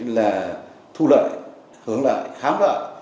là thu lợi hướng lợi hám lợi